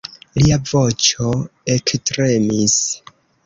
Lia voĉo ektremis.